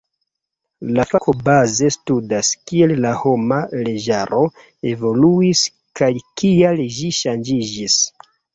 La fako baze studas, kiel la homa leĝaro evoluis kaj kial ĝi ŝanĝiĝis.